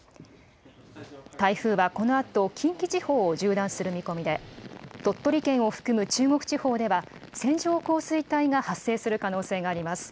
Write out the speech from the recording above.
台風はこのあと、近畿地方を縦断する見込みで、鳥取県を含む中国地方では、線状降水帯が発生する可能性があります。